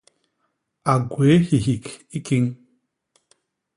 A gwéé hihik i kiñ.